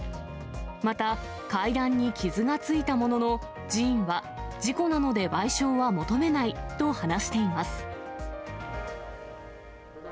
また、階段に傷がついたものの、寺院は、事故なので賠償は求めないと話しています。